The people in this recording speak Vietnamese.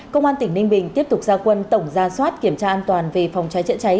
công an tỉnh ninh bình tiếp tục ra quân tổng ra soát kiểm tra an toàn về phòng trái trễ cháy